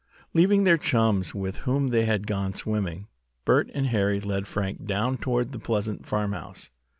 Leaving their chums with whom they had gone swimming, Bert and Harry led Frank down toward the pleasant farmhouse.